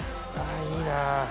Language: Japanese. あいいな。